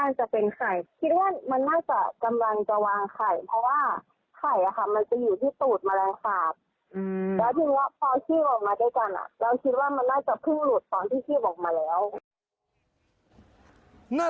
เราคิดว่ามันน่าจะพึ่งหลุดตอนที่ชีวออกมาแล้ว